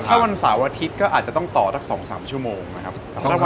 ถ้าวันเสาร์อาทิตย์ก็อาจจะต้องต่อสัก๒๓ชั่วโมงนะครับ